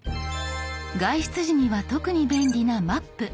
外出時には特に便利な「マップ」。